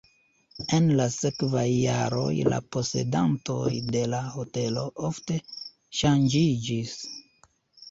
En la sekvaj jaroj la posedantoj de la hotelo ofte ŝanĝiĝis.